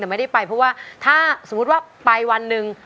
แต่ไม่ได้ไปเพราะว่าถ้าสมมุติว่าไปวันหนึ่ง